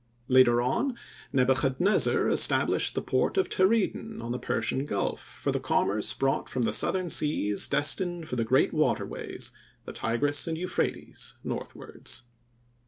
Later on, Nebuchadnezzer established the port of Teredon, on the Persian Gulf, for the commerce brought from the southern seas destined for the great waterways, the Tigris and Euphrates, northwards.